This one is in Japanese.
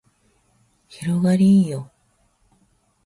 広がりーよ